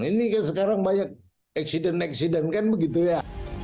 ini kan sekarang banyak eksiden eksident kan begitu ya